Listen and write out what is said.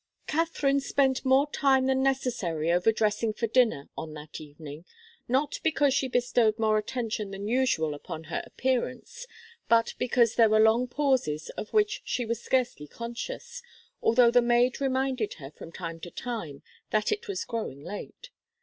Katharine spent more time than necessary over dressing for dinner on that evening, not because she bestowed more attention than usual upon her appearance, but because there were long pauses of which she was scarcely conscious, although the maid reminded her from time to time that it was growing late.